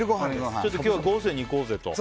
今日は豪勢に行こうぜと。